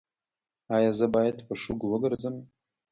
ایا زه باید په شګو وګرځم؟